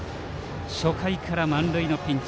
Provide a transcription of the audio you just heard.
初回から満塁のピンチ。